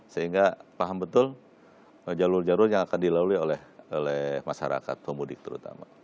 sehingga paham betul jalur jalur yang akan dilalui oleh masyarakat pemudik terutama